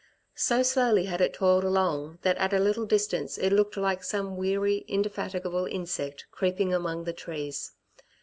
So slowly had it toiled along that at a little distance it looked like some weary, indefatigable insect creeping among the trees.